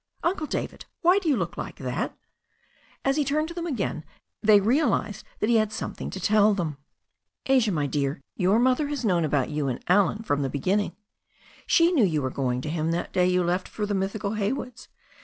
"Uncle David, why do you look like that?" As he turned to them again, his glance fleeting back and forth between them, they realized that he had something to tell them. "Asia, my dear, your mother has known about you and Allen from the beginning. She knew you were going to him that day you left for the mythical Haywoods.